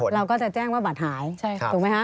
เราก็จะแจ้งว่าบัตรหายถูกไหมคะ